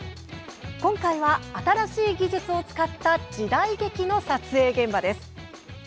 今回は、新しい技術を使った時代劇の撮影現場です。